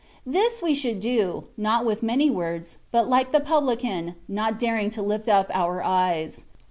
This we should do, not with many words^ but like the pub lican, not daring to lift up our eyes.